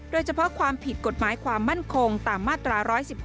โดยเฉพาะความผิดกฎหมายความมั่นคงตามมาตรา๑๑๖